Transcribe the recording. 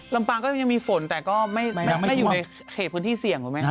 ลำปางก็ยังมีฝนแต่ก็ไม่อยู่ในเขตพื้นที่เสี่ยง